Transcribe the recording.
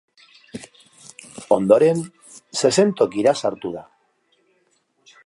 Ondoren, zezentokira sartu da.